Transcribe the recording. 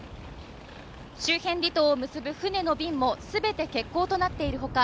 周辺離島を結ぶ船の便もすべて欠航となっているほか